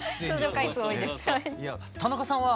いや田中さんは。